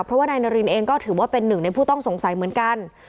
เพราะว่านายนารินเองก็ถือว่าเป็นหนึ่งในผู้ต้องสงสัยเหมือนกัน